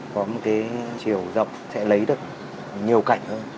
có một cái chiều rộng sẽ lấy được nhiều cảnh hơn